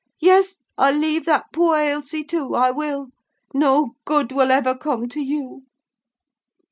Yes! I leave that poor Ailsie, too. I will! No good will ever come to you!"